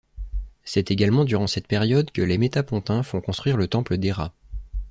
C'est également durant cette période que les Métapontins font construire le temple d'Héra.